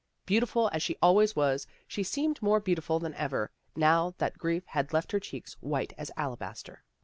Beautiful as she always was, she seemed more beautiful than ever, now that grief had left her cheeks white as alabas ter."